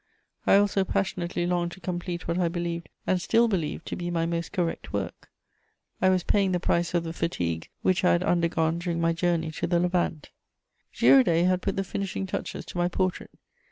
I also passionately longed to complete what I believed and still believe to be my most correct work. I was paying the price of the fatigue which I had undergone during my journey to the Levant. [Sidenote: Bonaparte and my portrait.] Girodet had put the finishing touches to my portrait.